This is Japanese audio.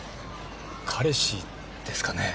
彼氏ですかねえ。